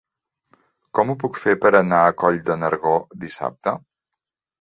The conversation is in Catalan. Com ho puc fer per anar a Coll de Nargó dissabte?